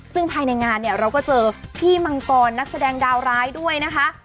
ซึ่งภายในงานเนี่ยเราก็เจอพี่มังกรนักแสดงดาวร้ายด้วยนะคะ